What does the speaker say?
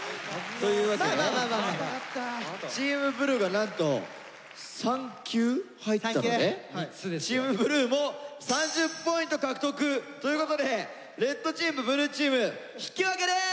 というわけでチームブルーがなんと３球入ったのでチームブルーも３０ポイント獲得。ということでレッドチームブルーチーム引き分けです！